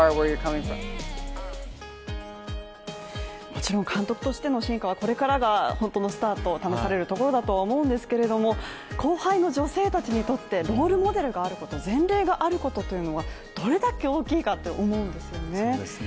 もちろん監督としての真価はこれからが本当のスタート、試されると思うんですけれども後輩の女性たちにとってロールモデルがあること、前例があることというのはどんなに大きいことかと思うんですね。